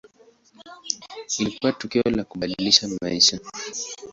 Ilikuwa tukio la kubadilisha maisha.